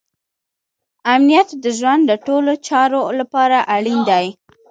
امنیت د ژوند د ټولو چارو لپاره اړین دی.